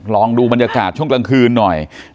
ลองดูบรรยากาศช่วงกลางคืนหน่อย